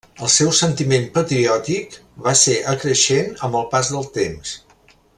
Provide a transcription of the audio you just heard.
El seu sentiment patriòtic va ser acreixent amb el pas del temps.